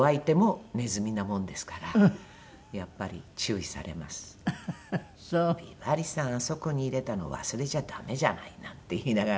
「美波里さんあそこに入れたの忘れちゃダメじゃない」なんて言いながら。